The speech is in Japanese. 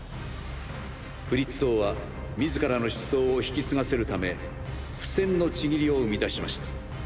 フリッツ王は自らの思想を引き継がせるため「不戦の契り」を生み出しました。